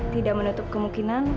tidak menutup kemungkinan